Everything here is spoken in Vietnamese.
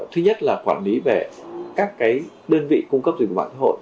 thứ nhất là quản lý về các đơn vị cung cấp dịch vụ bản thân hội